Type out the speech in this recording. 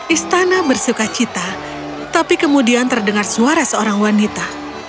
istana bersuka cita tapi kemudian terdengar suara seorang wanita